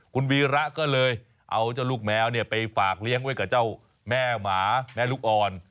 คุณวีระก็เลยเอาเจ้าลูกแมวไปฝากเลี้ยงไว้กับเจ้าแม่หมาแม่ลูกอ่อน